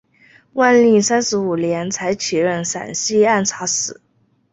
万历三十五年才起任陕西按察使。